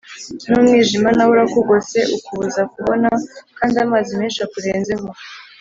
n’umwijima na wo urakugose ukubuza kubona, kandi amazi menshi akurenzeho